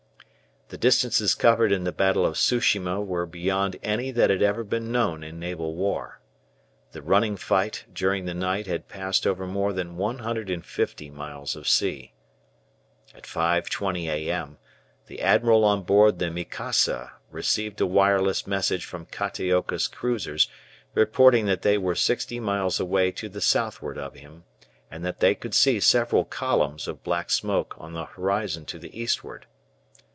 The distances covered in this battle of Tsu shima were beyond any that had ever been known in naval war. The running fight during the night had passed over more than 150 miles of sea. At 5.20 a.m. the admiral on board the "Mikasa" received a wireless message from Kataoka's cruisers, reporting that they were sixty miles away to the southward of him, and that they could see several columns of black smoke on the horizon to the eastward.